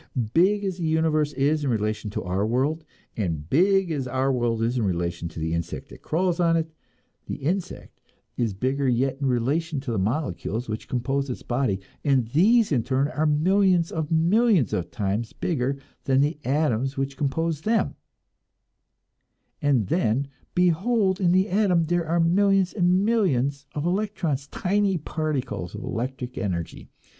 Big as is the universe in relation to our world, and big as is our world in relation to the insect that crawls on it, the insect is bigger yet in relation to the molecules which compose its body; and these in turn are millions of millions of times bigger than the atoms which compose them; and then, behold, in the atom there are millions of millions of electrons tiny particles of electric energy!